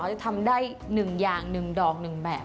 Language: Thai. เขาจะทำได้หนึ่งอย่างหนึ่งดอกหนึ่งแบบ